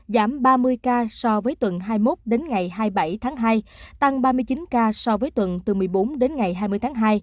giảm ba mươi ca so với tuần hai mươi một đến ngày hai mươi bảy tháng hai tăng ba mươi chín ca so với tuần từ một mươi bốn đến ngày hai mươi tháng hai